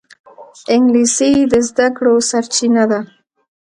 انګلیسي د زده کړو سرچینه ده